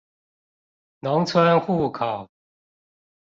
農村戶口